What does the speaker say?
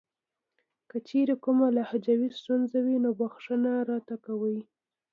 کچېرې کومه لهجوي ستونزه وي نو بښنه راته کوئ .